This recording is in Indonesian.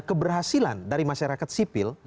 keberhasilan dari masyarakat sipil